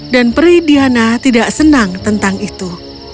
dan peri diana tidak senang tentang itu